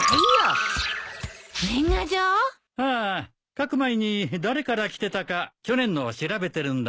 書く前に誰から来てたか去年のを調べてるんだ。